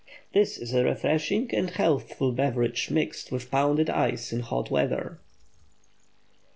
This is a refreshing and healthful beverage mixed with pounded ice in hot weather.